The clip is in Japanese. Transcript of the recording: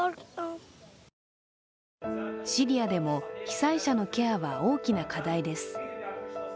シリアでも被災者のケアは大きな課題です。